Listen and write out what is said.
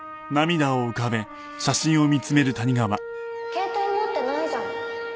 携帯持ってないじゃん。